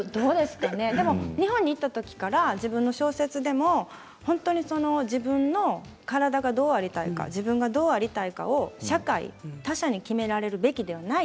日本にいた時から自分の小説でも自分の体がどうありたいか自分がどうありたいかということを社会や他者に決められるべきではない。